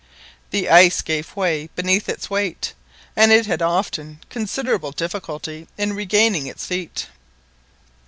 The ice gave way beneath its weight, and it had often considerable difficulty in regaining its feet.